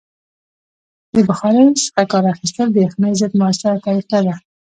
د بخارۍ څخه کار اخیستل د یخنۍ ضد مؤثره طریقه ده.